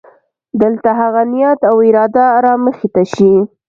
دلته هغه نیت او اراده رامخې ته شي.